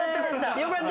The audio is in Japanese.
よかった。